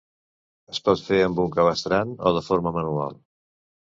Es pot fer amb un cabestrant o de forma manual.